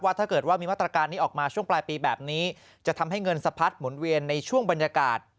ถ้าเกิดว่ามีมาตรการนี้ออกมาช่วงปลายปีแบบนี้จะทำให้เงินสะพัดหมุนเวียนในช่วงบรรยากาศ